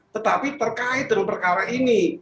tetapi terkait dengan perkara ini